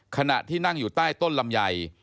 ขณะที่นั่งอยู่ใต้ต้นลำไย